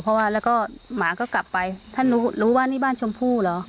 เพราะว่าแล้วก็หมาก็กลับไปท่านรู้รู้ว่านี่บ้านชมพู่เหรอ